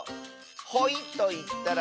「ほい」といったら？